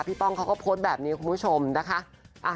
ป้องเขาก็โพสต์แบบนี้คุณผู้ชมนะคะ